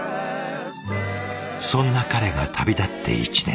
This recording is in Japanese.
そんな彼が旅立って１年。